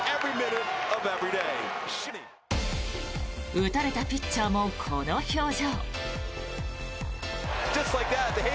打たれたピッチャーもこの表情。